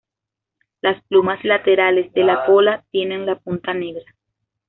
Las plumas laterales de la cola tienen la punta negra.